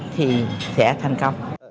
thì sẽ thành công